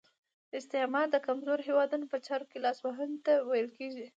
استعمار د کمزورو هیوادونو په چارو کې لاس وهنې ته ویل کیږي.